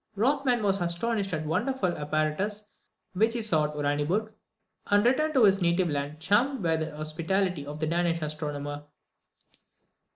Rothman was astonished at the wonderful apparatus which he saw at Uraniburg, and returned to his native country charmed with the hospitality of the Danish astronomer.